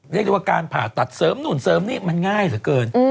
เรียกด้วยว่าการผ่าตัดเสริมหนุนเสริมนี่มันง่ายสักเกิน